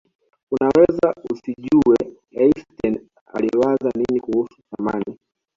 unaweza usijuie einstein aliwaza nini kuhusu thamani